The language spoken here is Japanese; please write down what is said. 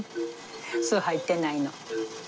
酢入ってないの。